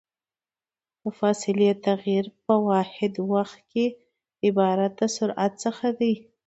د فاصلې تغير په واحد وخت کې عبارت د سرعت څخه ده.